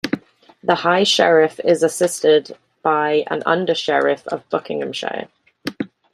The High Sheriff is assisted by an Under-Sheriff of Buckinghamshire.